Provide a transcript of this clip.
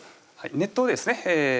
はい熱湯ですね